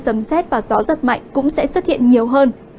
sấm xét và gió giật mạnh cũng sẽ xuất hiện nhiều hơn